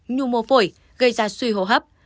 nhu mô phổi gây ra suy hô hấp